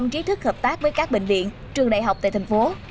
hai trăm linh trí thức hợp tác với các bệnh viện trường đại học tại thành phố